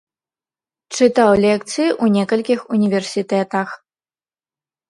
Чытаў лекцыі ў некалькіх універсітэтах.